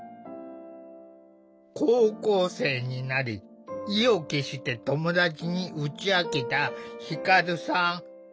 高校生になり意を決して友達に打ち明けた輝さん。